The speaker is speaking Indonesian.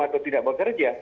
atau tidak bekerja